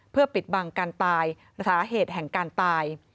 เพื่อปิดบังการตายสาเหตุแห่งการตาย